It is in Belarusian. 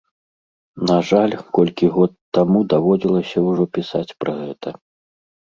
На жаль, колькі год таму даводзілася ўжо пісаць пра гэта.